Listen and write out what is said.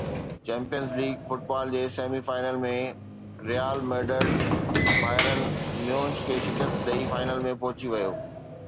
champions league football جي semi final ۾ Real Madrid Bayern Munich کي شڪست ڏئي فائنل ۾ پهچي ويو